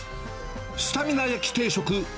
スタミナ焼き定食。